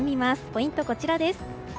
ポイント、こちらです。